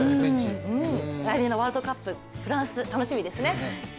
来年のワールドカップフランス、楽しみですね。